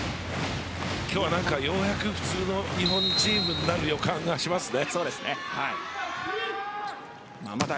今日はようやく普通の日本チームになる予感がしますね。